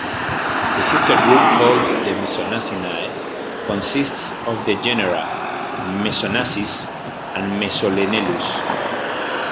The sister group called the Mesonacinae consists of the genera Mesonacis and Mesolenellus.